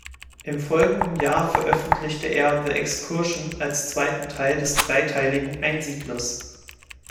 Im folgenden Jahr veröffentlichte er "The Excursion" als zweiten Teil des dreiteiligen "Einsiedlers".